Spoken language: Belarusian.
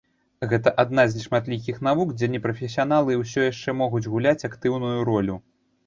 Гэта адна з нешматлікіх навук, дзе непрафесіяналы ўсё яшчэ могуць гуляць актыўную ролю.